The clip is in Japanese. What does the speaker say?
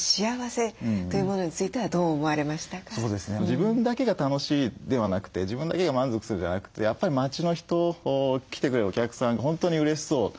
自分だけが楽しいではなくて自分だけが満足するじゃなくてやっぱり町の人来てくれるお客さんが本当にうれしそう。